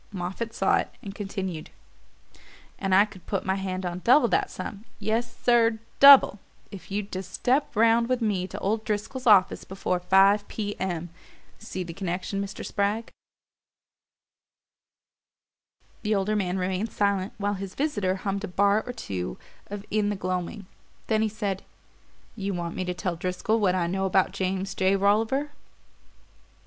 Moffatt saw it and continued. "And I could put my hand on double that sum yes, sir, DOUBLE if you'd just step round with me to old Driscoll's office before five P. M. See the connection, Mr. Spragg?" The older man remained silent while his visitor hummed a bar or two of "In the Gloaming"; then he said: "You want me to tell Driscoll what I know about James J. Rolliver?"